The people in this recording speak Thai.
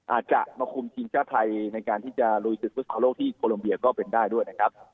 อาจจะมาคุมทีมชาติไทยในการที่จะรวยสืบภูมิศาลโลกที่ก็เป็นได้ด้วยนะครับ